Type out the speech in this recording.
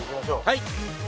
はい！